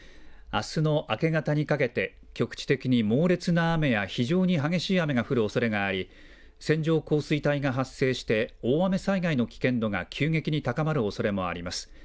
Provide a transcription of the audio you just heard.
あすの明け方にかけて、局地的に猛烈な雨や非常に激しい雨が降るおそれがあり、線状降水帯が発生して、大雨災害の危険度が急激に高まるおそれもあります。